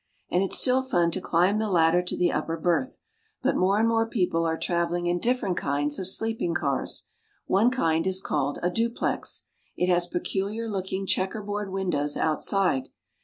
And it's still fun to climb the ladder to the upper berth. But more and more people are travelling in different kinds of sleeping cars. One kind is called a duplex. It has peculiar looking checkerboard windows outside.